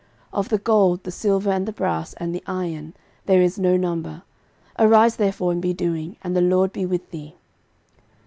13:022:016 Of the gold, the silver, and the brass, and the iron, there is no number. Arise therefore, and be doing, and the LORD be with thee.